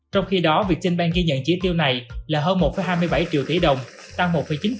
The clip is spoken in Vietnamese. trong khi đó việt trinh ban ghi nhận chi tiêu này là hơn một hai mươi bảy triệu tỷ đồng tăng một chín